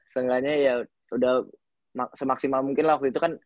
setengahnya ya udah semaksimal mungkin waktu itu kan